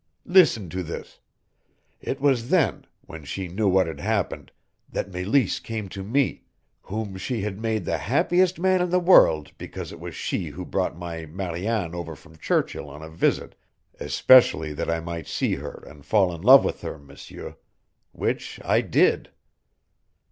Listen to this! It was then when she knew what had happened that Meleese came to me whom she had made the happiest man in the world because it was she who brought my Mariane over from Churchill on a visit especially that I might see her and fall in love with her, M'seur which I did.